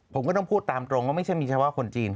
ผมก็ต้องพูดตามตรงว่าไม่ใช่มีเฉพาะคนจีน